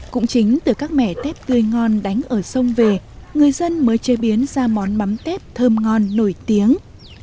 cũng chính từ các mẻ tép tươi ngon đánh ở sông về người dân mới chế biến ra món mắm tép thơm ngon nổi tiếng